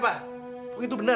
pokoknya itu bener